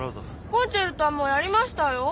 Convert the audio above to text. コンチェルトはもうやりましたよ。